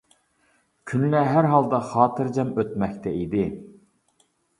كۈنلەر ھەر ھالدا خاتىرجەم ئۆتمەكتە ئىدى.